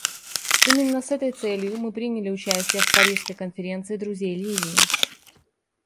Именно с этой целью мы приняли участие в парижской конференции друзей Ливии.